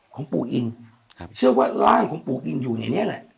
ของปู่อินครับเชื่อว่าร่างของปู่อินอยู่ในนี้แหละ